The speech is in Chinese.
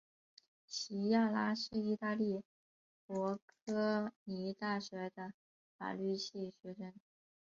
琪亚拉是意大利博科尼大学的法律系学生。